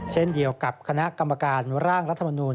เช่นเดียวกับคณะกรรมการร่างรัฐมนูล